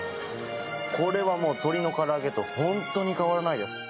これはもう鶏のから揚げと本当に変わらないです。